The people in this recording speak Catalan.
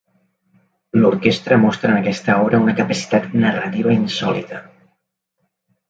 L'orquestra mostra en aquesta obra una capacitat narrativa insòlita.